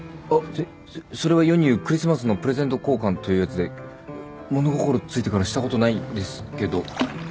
そそれは世に言うクリスマスのプレゼント交換というやつで物心ついてからしたことないんですけど。